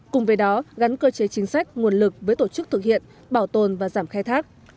cùng với đó gắn cơ chế chính sách nguồn lực với tổ chức thực hiện bảo tồn và giảm khai thác